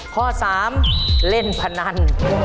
ข้อ๓เล่นพนัน